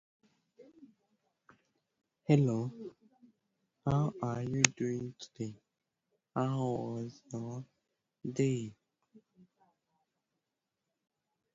It was sent to subscribers in plain-text email.